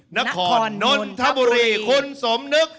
นครนนทบุรีคุณสมนึก